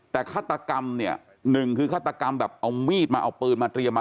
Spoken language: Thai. แต่ฆาตกรรมเนี่ยหนึ่งคือฆาตกรรมแบบเอามีดมาเอาปืนมาเตรียมมา